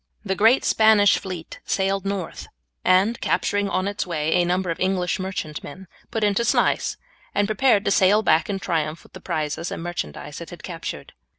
The great Spanish fleet sailed north, and capturing on its way a number of English merchantmen, put into Sluys, and prepared to sail back in triumph with the prizes and merchandise it had captured.